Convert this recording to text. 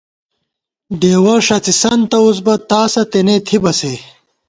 ڈېوَہ ݭڅِسن توُس بہ، تاسہ تېنے تھِبہ سے